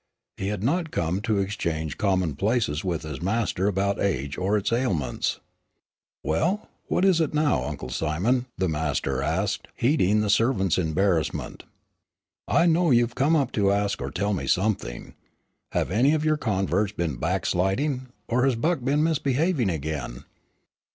He had not come to exchange commonplaces with his master about age or its ailments. "Well, what is it now, Uncle Simon?" the master asked, heeding the servant's embarrassment, "I know you've come up to ask or tell me something. Have any of your converts been backsliding, or has Buck been misbehaving again?"